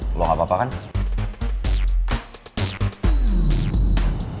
gimana kalo misalnya meetingnya kita lanjutin besok aja di kampus